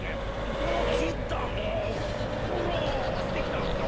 僕のＴｗｉｔｔｅｒをフォローして来たんですよ。